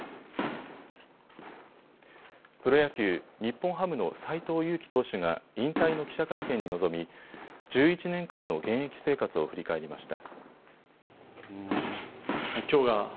プロ野球、日本ハムの斎藤佑樹投手が引退の記者会見に臨み、１１年間の現役生活を振り返りました。